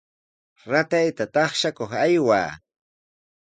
Ratayta taqshakuq aywaa.